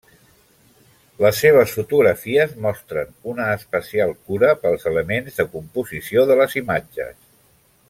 Les seves fotografies mostren una especial cura pels elements de composició de les imatges.